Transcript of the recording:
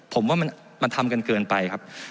ผมว่ามันทำกันเกินไปครับ